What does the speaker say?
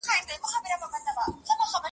یو د بل په وینو پايي او پړسېږي!